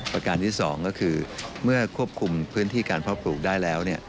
ประการที่๒ก็คือเมื่อควบคุมพื้นที่การเพาะปลูกได้แล้ว